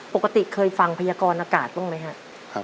ปกติเคยฟังพยากรอากาศบ้างไหมครับ